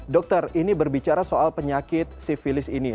dokter ini berbicara soal penyakit sivilis ini